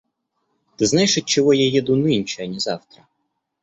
Ты знаешь, отчего я еду нынче, а не завтра?